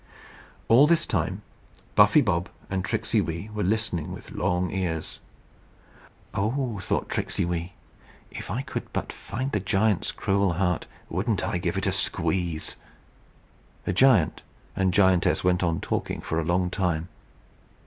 All this time Buffy Bob and Tricksey Wee were listening with long ears. "Oh!" thought Tricksey Wee, "if I could but find the giant's cruel heart, wouldn't I give it a squeeze!" The giant and giantess went on talking for a long time.